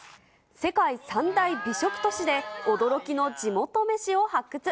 世界三大美食都市で驚きの地元メシを発掘。